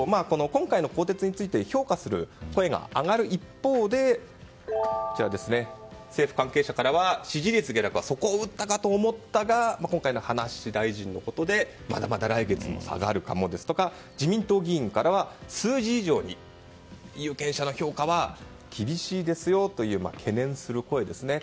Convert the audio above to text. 今回の更迭について評価する声が上がる一方で政府関係者からは、支持率下落は底を打ったかと思ったが今回の葉梨大臣のことでまだまだ来月も下がるかもですとか自民党議員からは数字以上に有権者の評価は厳しいですよという懸念する声ですね。